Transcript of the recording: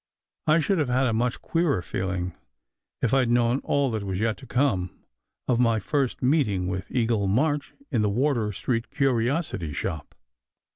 I should have had a much queerer feeling if I d known all that was yet to come of my first meeting with Eagle March in the Wardour Street curiosity shop.